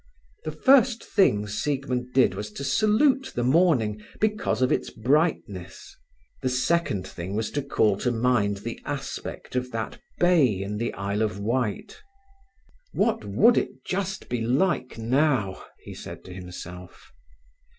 The first thing Siegmund did was to salute the morning, because of its brightness. The second thing was to call to mind the aspect of that bay in the Isle of Wight. "What would it just be like now?" said he to himself.